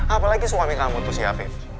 apalagi suami kamu tuh si afif